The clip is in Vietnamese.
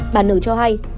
bà nờ cho hay